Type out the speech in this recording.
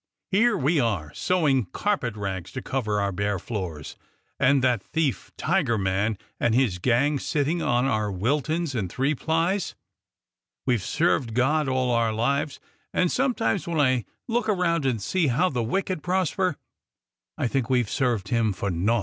Here we are sewing carpet rags to cover our bare floors, and that thief, Tigerman, and his gang sitting on our Wiltons and three plies! We've served God all our lives; and sometimes, when I look around and see how the wicked prosper, I think we 've served Him for naught